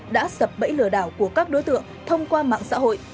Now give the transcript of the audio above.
đã sập bẫy lừa đảo của các đối tượng thông qua mạng xã hội